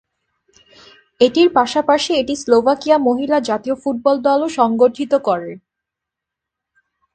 এটির পাশাপাশি এটি স্লোভাকিয়া মহিলা জাতীয় ফুটবল দলও সংগঠিত করে।